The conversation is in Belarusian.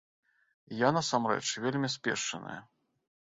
Я, насамрэч, вельмі спешчаная.